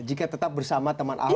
jika tetap bersama teman ahok